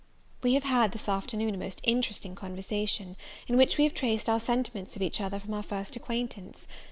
We have had, this afternoon, a most interesting conversation, in which we have traced our sentiments of each other from our first acquaintance.